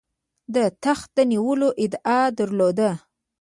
د تخت د نیولو ادعا درلوده.